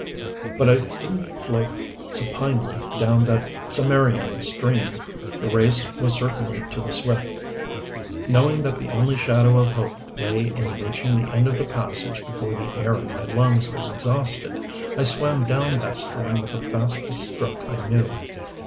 But I didn't float supinely down that Cimmerian stream. The race was certainly to the swift. Knowing that the only shadow of hope lay in reaching the end of the passage before the air in my lungs was exhausted, I swam down that stream with the fastest stroke I knew.